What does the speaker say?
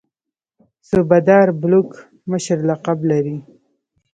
صوبه دار بلوک مشر لقب لري.